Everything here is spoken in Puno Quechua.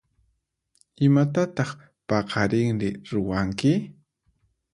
Imatataq paqarinri ruwanki?